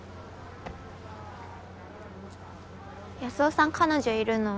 安生さん彼女いるの？